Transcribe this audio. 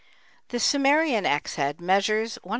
This Sumerian axe head measures 134.